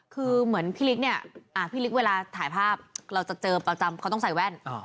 คือเหมือนพี่ลิกเนี่ยพี่ลิกเวลาถ่ายภาพเราจะเจอประจำเขาต้องใส่แว่น